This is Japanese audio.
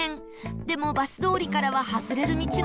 でもバス通りからは外れる道のようです